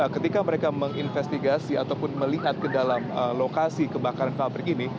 ketika mereka menginvestigasi ataupun melihat ke dalam lokasi kebakaran pabrik ini